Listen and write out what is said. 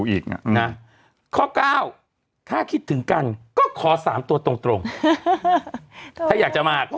อีกนะข้อเก้าถ้าคิดถึงกันก็ขอ๓ตัวตรงถ้าอยากจะมาก็